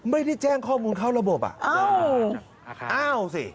ไม่ได้แจ้งข้อมูลเข้าระบบอ่ะอ้าวสิ